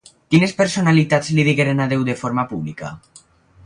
Quines personalitats li digueren adeu de forma pública?